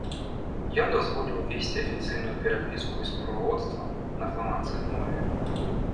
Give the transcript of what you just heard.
Ён дазволіў весці афіцыйную перапіску і справаводства на фламандскай мове.